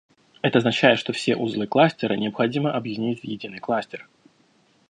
Это означает что все узлы кластера необходимо объединить в единый кластер